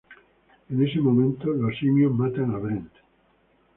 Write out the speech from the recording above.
En ese momento los simios matan a Brent.